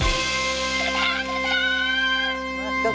อ้าวมา